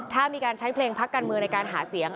ถ้ามีการใช้เพลงพักการเมืองในการหาเสียง